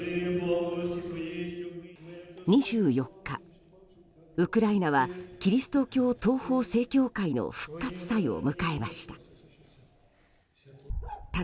２４日、ウクライナはキリスト教東方正教会の復活祭を迎えました。